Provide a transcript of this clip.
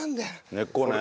根っこね。